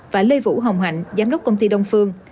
và lê vũ hồng hạnh giám đốc công ty đông phương